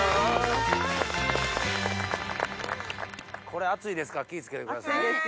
これ熱いですから気ぃ付けてください。